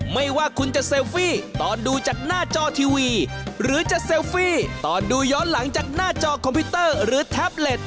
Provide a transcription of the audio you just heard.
ไม่ว่าคุณจะเซลฟี่ตอนดูจากหน้าจอทีวีหรือจะเซลฟี่ตอนดูย้อนหลังจากหน้าจอคอมพิวเตอร์หรือแท็บเล็ต